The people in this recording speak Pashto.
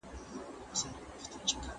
ایا په ښوونځیو کې د اوبو او برېښنا سیسټم شته؟